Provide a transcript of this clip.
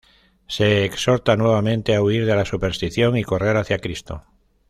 Se exhorta nuevamente a huir de la superstición y correr hacia Cristo.